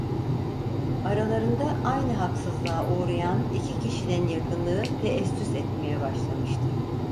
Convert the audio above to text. Aralarında aynı haksızlığa uğrayan iki kişinin yakınlığı teessüs etmeye başlamıştı.